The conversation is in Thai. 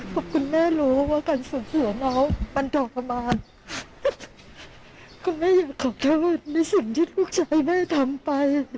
เพราะคุณแม่รู้ว่าการสูญเสียน้องมันทรมานคุณแม่อยากขอโทษในสิ่งที่ลูกชายแม่ทำไป